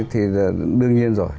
thì đương nhiên rồi